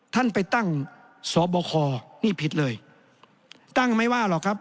ท่านไปตั้งสบคนี่ผิดเลยตั้งไม่ว่าหรอกครับ